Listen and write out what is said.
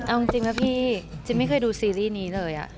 ค่ะเอาจริงค่ะพี่ฉันไม่เคยดูซีรีส์นี้เลย